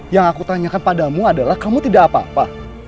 yang aku tanyakan padamu adalah kamu tidak apa apa